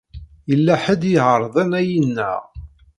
Yella ḥedd i iɛeṛḍen ad yi-ineɣ.